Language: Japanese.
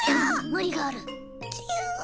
無理があるきゅ